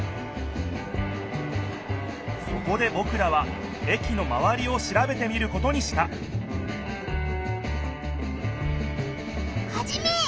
そこでぼくらは駅のまわりをしらべてみることにしたハジメ！